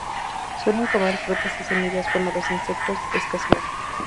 Suelen comer frutas y semillas cuando los insectos escasean.